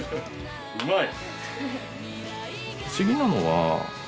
うまい！